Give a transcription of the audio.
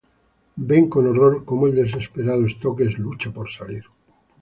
Ven con horror como el desesperado Stokes lucha por salir.